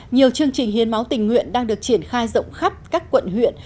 nhiều chương trình hiến máu tình nguyện đang được triển khai rộng khắp các quận huyện